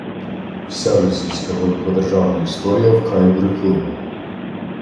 вся російська великодержавна історія – вкрай брехлива